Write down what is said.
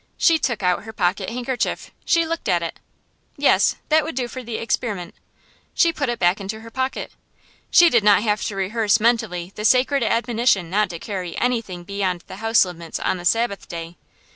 She took out her pocket handkerchief. She looked at it. Yes, that would do for the experiment. She put it back into her pocket. She did not have to rehearse mentally the sacred admonition not to carry anything beyond the house limits on the Sabbath day.